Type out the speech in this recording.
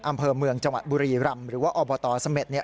อำเภอเมืองจังหวัดบุรีรำหรือว่าอบตเสม็ดเนี่ย